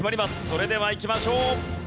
それではいきましょう。